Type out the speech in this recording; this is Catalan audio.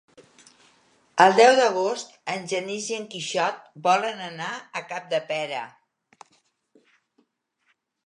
El deu d'agost en Genís i en Quixot volen anar a Capdepera.